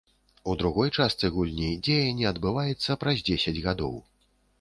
У другой частцы гульні дзеянне адбываецца праз дзесяць гадоў.